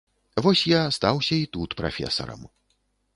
Вось я стаўся і тут прафесарам.